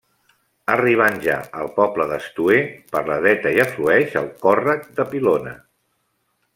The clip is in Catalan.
Arribant ja al poble d'Estoer, per la dreta hi aflueix el Còrrec de Pilona.